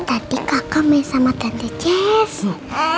tadi kakak main sama dante jess